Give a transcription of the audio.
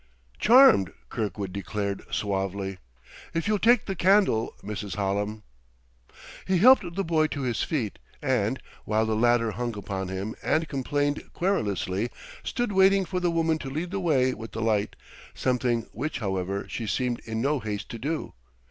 "Charmed," Kirkwood declared suavely. "If you'll take the candle, Mrs. Hallam " He helped the boy to his feet and, while the latter hung upon him and complained querulously, stood waiting for the woman to lead the way with the light; something which, however, she seemed in no haste to do.